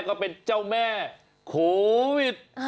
ก็เป็นเจ้าแม่โควิด